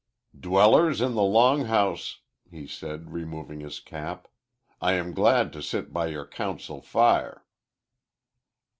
"Dwellers in the long house," he said, removing his cap, "I am glad to sit by your council fire."